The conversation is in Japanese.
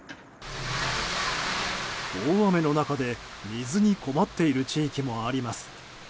大雨の中で水に困っている地域もあります。